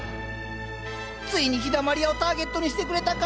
ついに陽だまり屋をターゲットにしてくれたか。